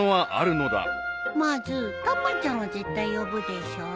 まずたまちゃんは絶対呼ぶでしょ。